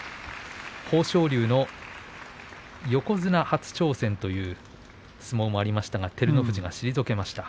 豊昇龍の横綱初挑戦という相撲もありましたが照ノ富士が退けました。